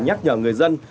nhắc nhở người dân